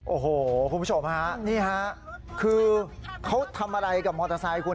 โอ้โหคุณผู้ชมฮะนี่ฮะคือเขาทำอะไรกับมอเตอร์ไซค์คุณ